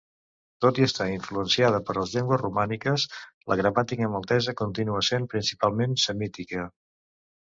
Tot i estar influenciada per les llengües romàniques, la gramàtica maltesa continua sent principalment semítica.